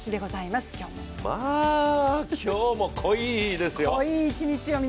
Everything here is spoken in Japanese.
まぁ、今日も濃いですよ。